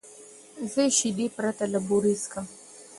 زه شیدې پرته له بوره څښم.